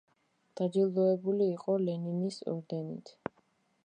დაჯილდოვებული იყო ლენინის ორდენით.